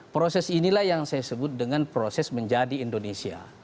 proses inilah yang saya sebut dengan proses menjadi indonesia